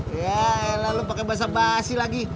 yaelah lu pake bahasa basi lagi